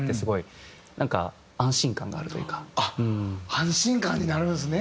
安心感になるんですね